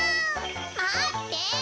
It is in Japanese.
まって。